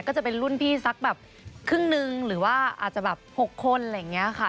ก็จะเป็นรุ่นพี่สักแบบครึ่งนึงหรือว่าอาจจะแบบ๖คนอะไรอย่างนี้ค่ะ